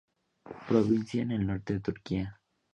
Provincia en el norte de Turquía.